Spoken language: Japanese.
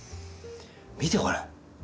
見てこれ。